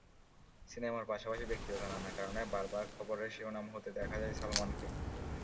সিনেমার পাশাপাশি ব্যক্তিগত নানা কারণে বারবার খবরের শিরোনাম হতে দেখা যায় সালমানকে।